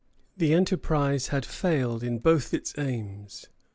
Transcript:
_] The enterprise had failed in both its aims.